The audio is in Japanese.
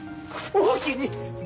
おおきに